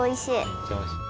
めっちゃおいしい。